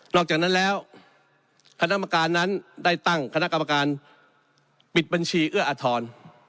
อกจากนั้นแล้วคณะกรรมการนั้นได้ตั้งคณะกรรมการปิดบัญชีเอื้ออทร